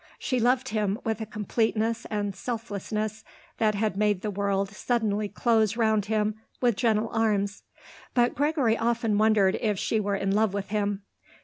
She loved him with a completeness and selflessness that had made the world suddenly close round him with gentle arms; but Gregory often wondered if she were in love with him.